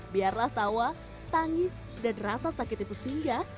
biarlah tawa tangis dan rasa sakit itu singgah